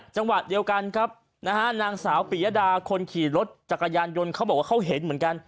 จังหวะเดียวกันครับนะฮะนางสาวปียดาคนขี่รถจักรยานยนต์เขาบอกว่าเขาเห็นเหมือนกัน